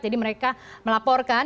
jadi mereka melaporkan